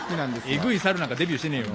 エグい猿なんかデビューしてねえよ。